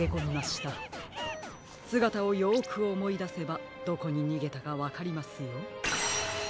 すがたをよくおもいだせばどこににげたかわかりますよ。